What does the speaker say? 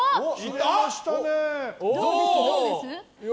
どうです？